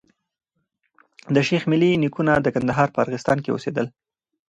د شېخ ملي نيکونه د کندهار په ارغستان کي اوسېدل.